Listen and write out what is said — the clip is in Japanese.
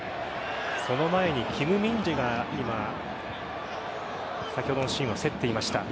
その前にキム・ミンジェが先ほどのシーンは競っていました。